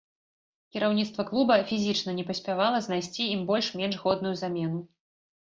Кіраўніцтва клуба фізічна не паспявала знайсці ім больш-менш годную замену.